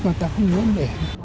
người ta không muốn để